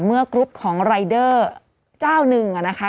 กรุ๊ปของรายเดอร์เจ้าหนึ่งนะคะ